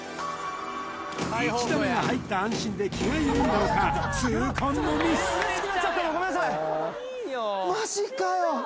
１打目が入った安心で気が緩んだのか痛恨のミスまじで